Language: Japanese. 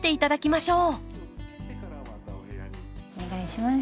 お願いします。